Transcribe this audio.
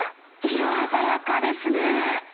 色鮮やかですね。